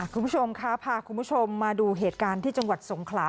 คุณผู้ชมคะพาคุณผู้ชมมาดูเหตุการณ์ที่จังหวัดสงขลา